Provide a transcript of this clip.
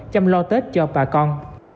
chăm lo tết cho bà con